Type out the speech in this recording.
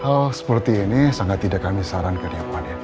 hal seperti ini sangat tidak kami sarankan ya paal